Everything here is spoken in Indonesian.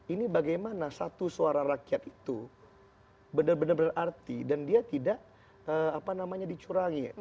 ini bagaimana satu suara rakyat itu benar benar berarti dan dia tidak dicurangi